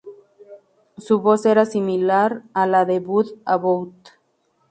Su voz era similar a la de Bud Abbott.